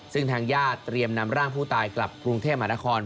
ซึ่งทางญาติเตรียมนำร่างผู้ตายกลับกรุงเทพมหานคร